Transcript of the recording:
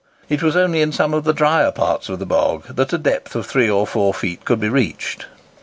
It was only in some of the drier parts of the bog that a depth of three or four feet could be reached.